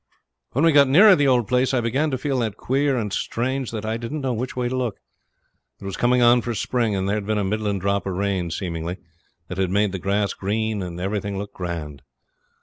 When we got nearer the old place I began to feel that queer and strange that I didn't know which way to look. It was coming on for spring, and there'd been a middling drop of rain, seemingly, that had made the grass green and everything look grand.